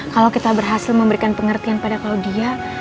kalau kita berhasil memberikan pengertian pada claudia